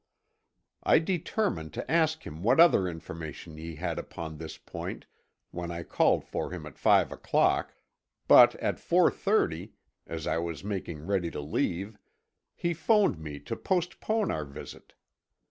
I determined to ask him what other information he had upon this point when I called for him at five o'clock, but at four thirty, as I was making ready to leave, he phoned me to postpone our visit.